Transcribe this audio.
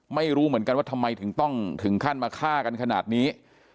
ไม่รู้เหมือนกันว่าทำไมถึงต้องถึงขั้นมาฆ่ากันขนาดนี้